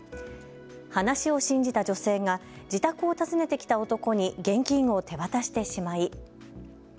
話を信じた女性が自宅を訪ねてきた男に現金を手渡してしまい。